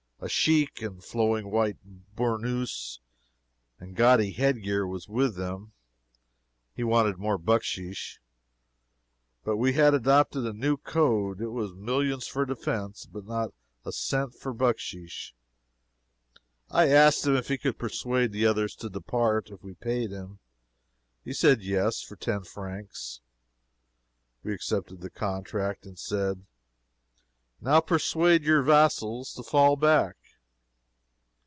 A sheik, in flowing white bournous and gaudy head gear, was with them. He wanted more bucksheesh. But we had adopted a new code it was millions for defense, but not a cent for bucksheesh. I asked him if he could persuade the others to depart if we paid him. He said yes for ten francs. We accepted the contract, and said "Now persuade your vassals to fall back."